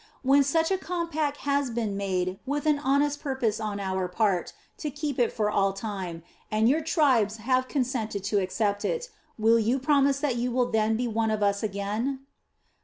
When such a compact has been made with an honest purpose on our part to keep it for all time, and your tribes have consented to accept it, will you promise that you will then be one of us again?"